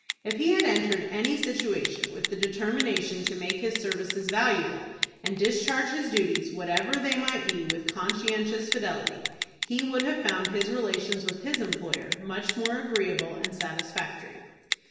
If he had entered any situation with the determination to make his services valuable, and discharge his duties, whatever they might be, with conscientious fidelity, he would have found his relations with his employer much more agreeable and satisfactory.